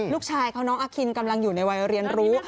ลูกชายเขาน้องอาคินกำลังอยู่ในวัยเรียนรู้